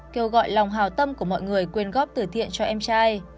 kêu gọi lòng hào tâm của mọi người quyên góp tử thiện cho em trai